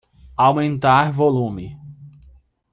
Aumentar volume